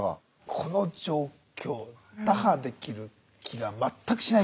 この状況打破できる気が全くしない。